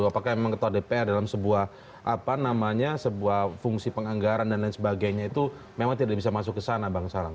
apakah memang ketua dpr dalam sebuah apa namanya sebuah fungsi penganggaran dan lain sebagainya itu memang tidak bisa masuk ke sana bang sarang